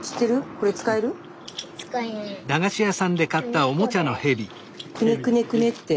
これくねくねくねって。